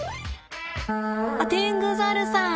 あっテングザルさん！